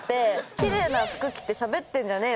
キレイな服着てしゃべってんじゃねーよ！